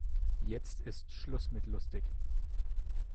Jetzt ist Schluss mit lustig.